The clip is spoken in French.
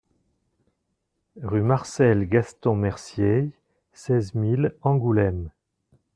Rue Marcel Gaston Mercier, seize mille Angoulême